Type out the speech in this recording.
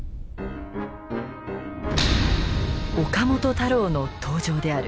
岡本太郎の登場である。